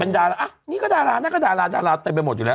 เป็นดารานี่ก็ดาร้านนั่นก็ดาร้านเต็มไปหมดอยู่แล้ว